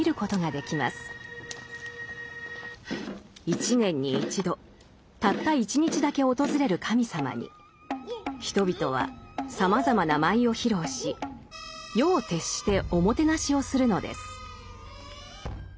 一年に一度たった１日だけ訪れる神様に人々はさまざまな舞を披露し夜を徹しておもてなしをするのです。